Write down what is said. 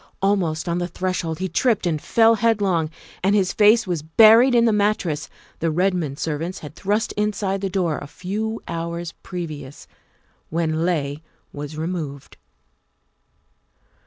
Almost on the threshold he tripped and fell headlong, and his face was buried in the mattress the Redmond servants had thrust inside the door a few hours previous, when Leigh was removed.